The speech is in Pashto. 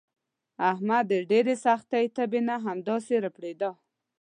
احمد د ډېرې سختې تبې نه همداسې ړپېدا.